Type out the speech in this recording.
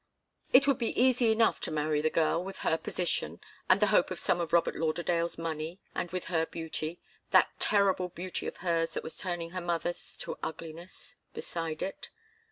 It would be easy enough to marry the girl, with her position, and the hope of some of Robert Lauderdale's money, and with her beauty that terrible beauty of hers that was turning her mother's to ugliness beside it.